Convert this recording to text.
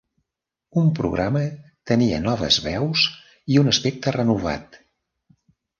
El programa tenia noves veus i un aspecte renovat.